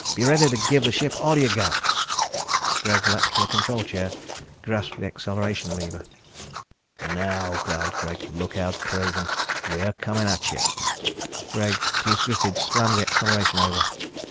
"Be ready to give the ship all you've got." Greg leaped for the control chair, grasped the acceleration lever. "Now," growled Greg, "look out, Craven, we're coming at you!" Greg, teeth gritted, slammed the acceleration over.